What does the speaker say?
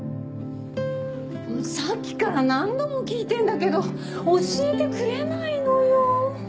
さっきから何度も聞いてんだけど教えてくれないのよ。